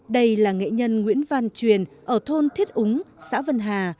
đây là nghệ nhân nguyễn văn truyền ở thôn thiết úng xã vân hà